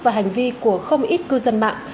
và hành vi của không ít cư dân mạng